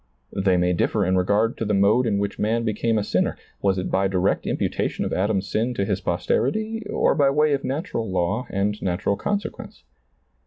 They may differ in regard to the mode in which man became a sinner — was it by direct imputation of Adam's sin to his posterity or by way of natural law and natural consequence